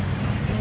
dondong itu dulu